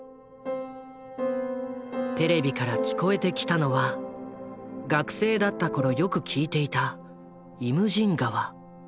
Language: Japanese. テレビから聞こえてきたのは学生だったころよく聴いていた「イムジン河」。